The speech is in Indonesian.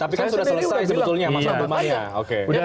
tapi kan sudah selesai sebetulnya masalah pemainnya